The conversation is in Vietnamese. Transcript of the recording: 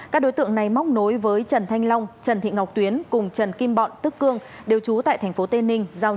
cảm ơn các bạn đã theo dõi